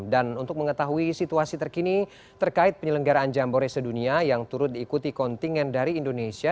dan untuk mengetahui situasi terkini terkait penyelenggaraan jambore sedunia yang turut diikuti kontingen dari indonesia